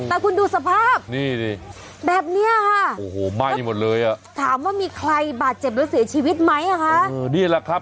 แต่คุณดูสภาพแบบนี้ค่ะถามว่ามีใครบาดเจ็บหรือเสียชีวิตไหมคะนี่แหละครับ